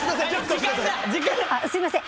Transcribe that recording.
すいません。